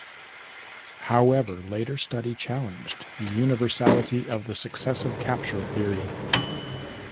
However, later study challenged the universality of the successive capture theory.